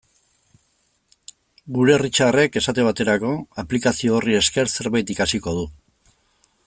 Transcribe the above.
Gure Richardek, esate baterako, aplikazio horri esker zerbait ikasiko du.